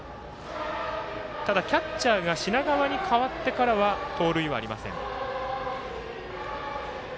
ただ、キャッチャーが品川に代わってからは盗塁はありません。